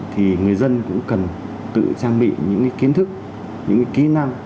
thì người dân cũng cần tự trang bị những kiến thức những kỹ năng